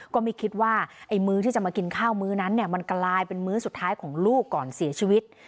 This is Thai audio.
ก็ไม่คิดว่าไอ้มื้อที่จะมากินข้าวมื้อนั้นเนี่ยมันกลายเป็นมื้อสุดท้ายของลูกก่อนเสียชีวิต